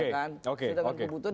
sudah dikaji kebutuhan